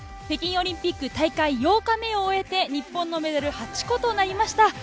北京オリンピック大会８日目を終えて日本のメダル８個となりました。